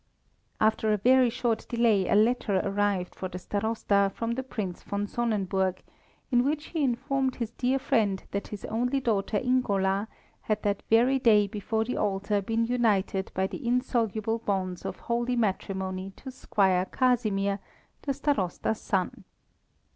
After a very short delay a letter arrived for the Starosta from the Prince von Sonnenburg, in which he informed his dear friend that his only daughter Ingola had that very day before the altar been united by the insoluble bonds of holy matrimony to Squire Casimir, the Starosta's son.